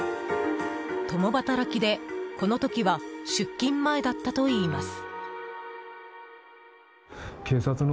共働きでこの時は出勤前だったといいます。